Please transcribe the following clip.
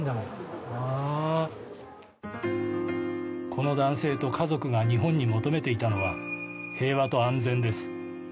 この男性と家族が日本に求めていたのは平和と安全です。